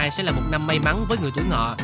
sẽ là một năm may mắn với người thứ ngọ